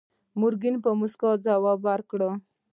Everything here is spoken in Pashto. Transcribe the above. مورګان په موسکا ځواب ورکړ.